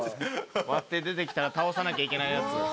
割って出てきたら倒さなきゃいけないやつ。